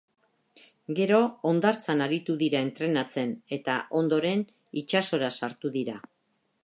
Gero hondartzan aritu dira entrenatzen, eta ondoren itsasora sartu dira.